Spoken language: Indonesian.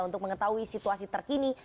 untuk mengetahui situasi terkini